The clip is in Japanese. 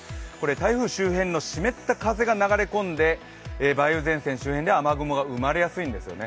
台風周辺の湿った風が流れ込んで梅雨前線周辺では雨雲が生まれやすいんですよね。